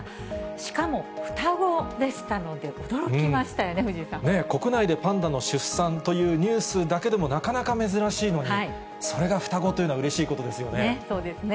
しかも双子でしたので、驚きまし国内でパンダの出産というニュースだけでも、なかなか珍しいのに、それが双子というのはうれしいことですよね。